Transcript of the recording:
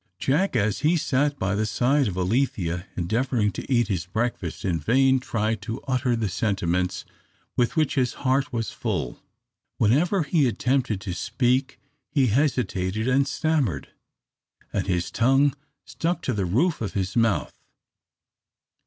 Jack, as he sat by the side of Alethea endeavouring to eat his breakfast, in vain tried to utter the sentiments with which his heart was full. Whenever he attempted to speak he hesitated and stammered, and his tongue stuck to the roof of his mouth.